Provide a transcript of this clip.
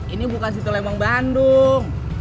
ini bukan situ lemong bandung